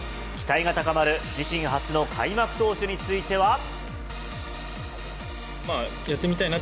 期待が高まる自身初の開幕投手については。